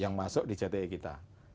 yang masuk di jte kita